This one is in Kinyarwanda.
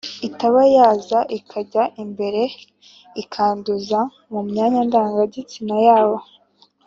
itaba yaza ikajya imbere ikanduza mu myanya ndangagitsina yabo.